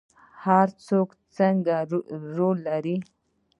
هر څوک څه رول لري؟